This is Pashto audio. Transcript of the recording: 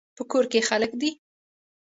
په کور کې خلک دي